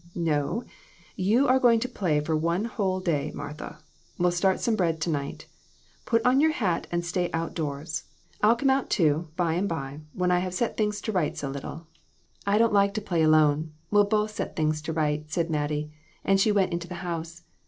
" No, you are going to play for one whole day, Martha. We'll start some bread to night. Put on your hat and stay out doors. I'll come out, too, by and by, when I have set things to rights a little." LESSONS. 167 "I don't like to play alone; we'll both set things to rights," Mattie said, as she went into the house.